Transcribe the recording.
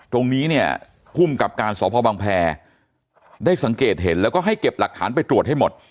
ตรงนี้เนี่ยภูมิกับการสพบังแพรได้สังเกตเห็นแล้วก็ให้เก็บหลักฐานไปตรวจให้หมด